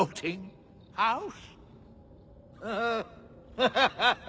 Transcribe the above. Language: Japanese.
ハハハハ！